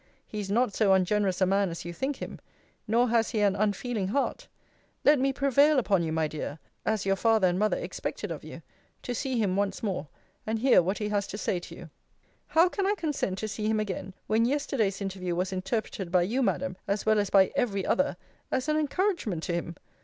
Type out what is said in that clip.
He is not so ungenerous a man as you think him: nor has he an unfeeling heart. Let me prevail upon you, my dear, (as your father and mother expect it of you,) to see him once more, and hear what he has to say to you. How can I consent to see him again, when yesterday's interview was interpreted by you, Madam, as well as by every other, as an encouragement to him?